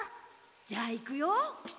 じゃあいくよ。